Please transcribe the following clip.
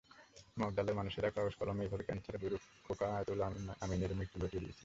মগডালের মানুষেরা কাগজে-কলমে এভাবে ক্যানসারে বুড়ো খোকা আয়াতুল্লাহ খোমেনির মৃত্যুও ঘটিয়ে দিয়েছিলেন।